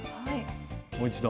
もう一度。